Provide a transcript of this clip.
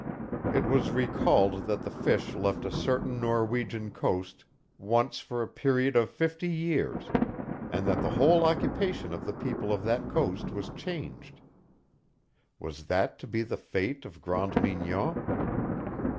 It was recalled that the fish left a certain Norwegian coast once for a period of fifty years, and that the whole occupation of the people of that coast was changed. Was that to be the fate of Grande Mignon?